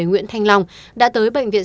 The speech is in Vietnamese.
nguyễn thanh long đã tới bệnh viện